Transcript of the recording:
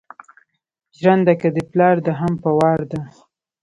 ژرنده که دې پلار ده هم په وار ده.